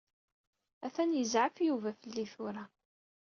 Atan yezɛef Yuba fell-i tura.